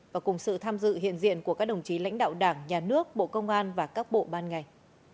và cùng sự tham dự hiện diện của các đồng chí lãnh đạo đảng nhà nước bộ công an và các bộ ban ngành